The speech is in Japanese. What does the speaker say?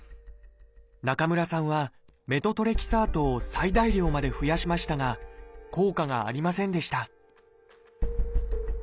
中村さんはメトトレキサートを最大量まで増やしましたが効果がありませんでした